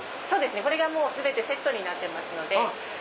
これが全てセットになってますので。